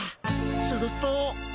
すると。